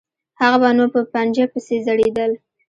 هغه به نو په پنجه پسې ځړېدل.